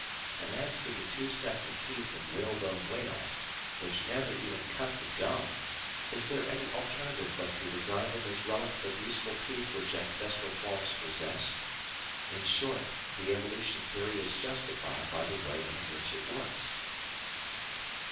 And as to the two sets of teeth in whalebone whales, which never even cut the gum, is there any alternative but to regard them as relics of useful teeth which ancestral forms possessed? In short, the evolution theory is justified by the way in which it works.